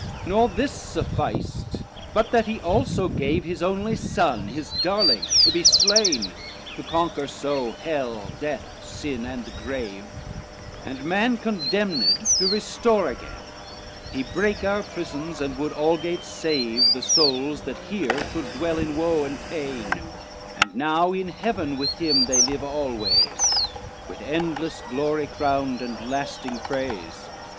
XI "Nor this sufficed, but that he also gave His only Son, his darling to be slain, To conquer so, hell, death, sin and the grave, And man condemned to restore again, He brake our prisons and would algates save The souls there here should dwell in woe and pain, And now in heaven with him they live always With endless glory crowned, and lasting praise.